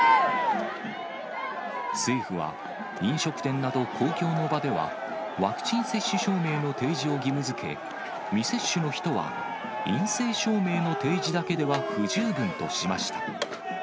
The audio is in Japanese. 政府は、飲食店など、公共の場では、ワクチン接種証明の提示を義務づけ、未接種の人は陰性証明の提示だけでは不十分としました。